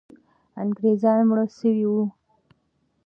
انګریزان مړه سوي وو.